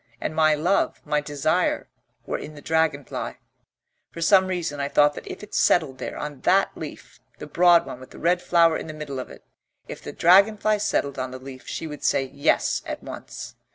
And my love, my desire, were in the dragonfly; for some reason I thought that if it settled there, on that leaf, the broad one with the red flower in the middle of it, if the dragonfly settled on the leaf she would say "Yes" at once.